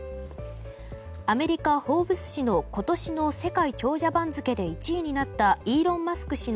アメリカ「フォーブス」誌の今年の世界長者番付で１位になったイーロン・マスク